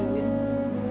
aku lagi penasaran